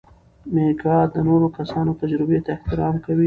میکا د نورو کسانو تجربو ته احترام کوي.